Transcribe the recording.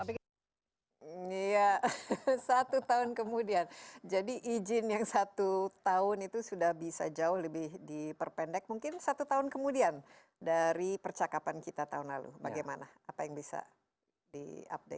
tapi ya satu tahun kemudian jadi izin yang satu tahun itu sudah bisa jauh lebih diperpendek mungkin satu tahun kemudian dari percakapan kita tahun lalu bagaimana apa yang bisa diupdate